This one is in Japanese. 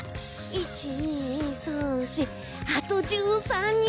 １、２、３、４あと１３日！